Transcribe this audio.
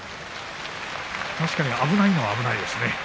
確かに危ないのは危ないですね。